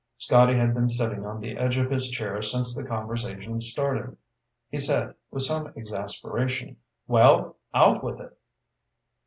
Scotty had been sitting on the edge of his chair since the conversation started. He said, with some exasperation, "Well? Out with it!"